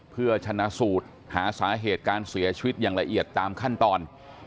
เพื่อชนะสูตรหาสาเหตุการเสียชีวิตอย่างละเอียดตามขั้นตอน